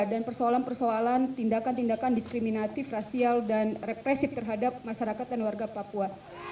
dan yang sangat represif terhadap masyarakat dan warga papua